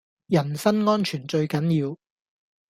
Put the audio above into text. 人身安全最緊要